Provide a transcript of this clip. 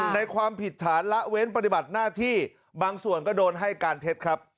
ความผิดฐานละเว้นปฏิบัติหน้าที่บางส่วนก็โดนให้การเท็จครับ